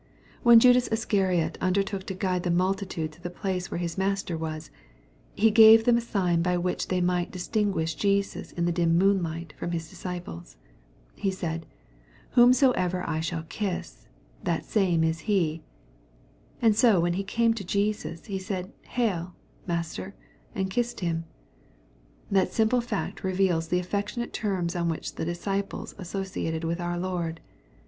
When Judas Iscariot undertook to guide the multitude to the place where his Master was, he gave them a sign by which they might distinguish Jesus in the dim moonlight from his disciples. He said, " Whomsoever I shall kiss, that same is he." And so, when he came to Jesus, he said, " Hail 1 master, and kissed him." That simple fact reveals the affectionate terms on which the disciples associated with our Lord.